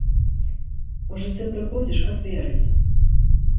У жыццё прыходзіш, каб верыць.